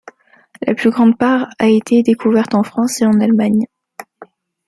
La plus grande part a été découverte en France et en Allemagne.